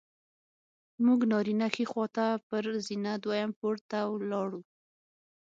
موږ نارینه ښي خوا ته پر زینه دویم پوړ ته ولاړو.